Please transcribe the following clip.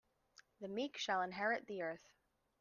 The meek shall inherit the earth.